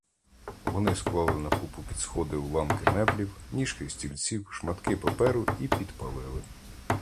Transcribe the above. Вони склали на купу під сходи уламки меблів, ніжки стільців, шматки паперу і підпалили.